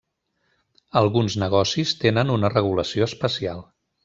Alguns negocis tenen una regulació especial.